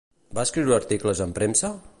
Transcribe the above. Va escriure articles en premsa?